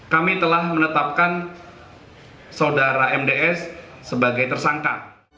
kami telah menetapkan saudara mds sebagai tersangka